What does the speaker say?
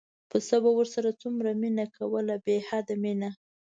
پسه ورسره څومره مینه کوله بې حده مینه.